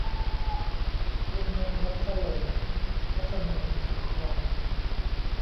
วุ่นนักรักซะเลย - ทัศนีย์ สีทอง